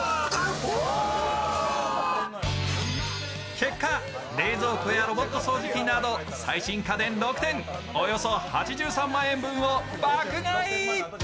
結果、冷蔵庫やロボット掃除機など最新家電６点、およそ８３万円分を爆買い！